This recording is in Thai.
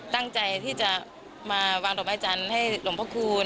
ตั้งใจที่จะมาวางดอกไม้จันทร์ให้หลวงพระคูณ